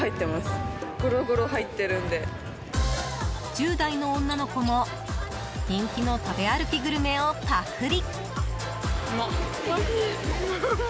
１０代の女の子も人気の食べ歩きグルメをパクリ。